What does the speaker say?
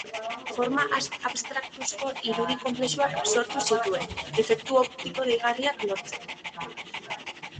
Forma abstraktuzko irudi konplexuak sortu zituen, efektu optiko deigarriak lortzeko.